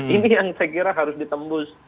ini yang saya kira harus ditembus